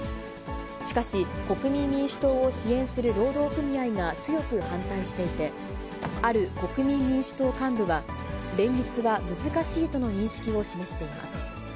しかし、国民民主党を支援する労働組合が強く反対していて、ある国民民主党幹部は、連立は難しいとの認識を示しています。